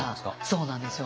そうなんですよ。